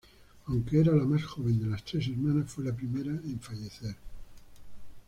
Aunque era la más joven de las tres hermanas, fue la primera en fallecer.